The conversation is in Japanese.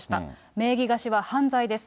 名義貸しは犯罪です。